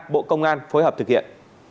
bộ công an phối hợp thực hiện